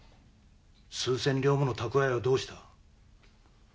数千両もの蓄えはどうした？